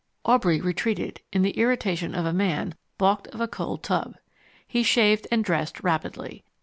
Aubrey retreated in the irritation of a man baulked of a cold tub. He shaved and dressed rapidly.